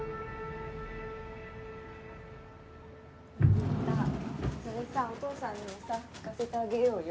佑太それさお父さんにもさ聞かせてあげようよ。